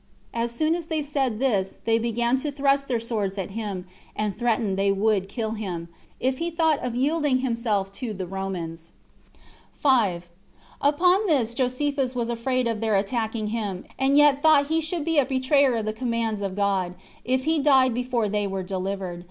As soon as they said this, they began to thrust their swords at him, and threatened they would kill him, if he thought of yielding himself to the Romans. 5. Upon this Josephus was afraid of their attacking him, and yet thought he should be a betrayer of the commands of God, if he died before they were delivered.